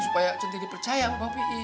supaya centini percaya sama bang p i